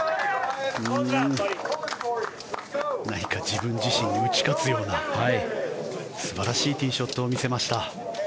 何か自分自身に打ち勝つような素晴らしいティーショットを見せました。